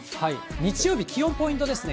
日曜日、気温ポイントですね。